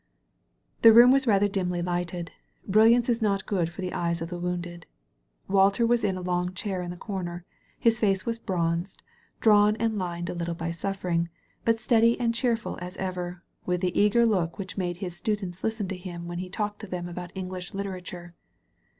The room was rather dimly lighted; brilliance is not good for the eyes of the wounded. Walter was in a long chair in the comer; his face was bronzed, drawn and lined a little by suflfering; but steady and cheerful as ever, with the eager look whidi had made his students listen to him when he talked to them about English literature.